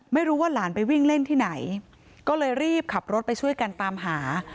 ไม่รู้ว่าหลานไปวิ่งเล่นที่ไหนก็เลยรีบขับรถไปช่วยกันตามหา